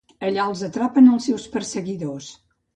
Allà els atrapen els seus perseguidors.